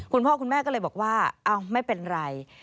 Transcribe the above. คุณพ่อคุณแม่ก็เลยบอกว่าไม่เป็นไร